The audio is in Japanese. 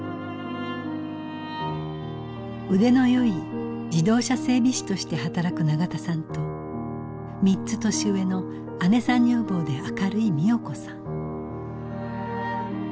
腕のよい自動車整備士として働く永田さんと３つ年上の姉さん女房で明るい美代子さん。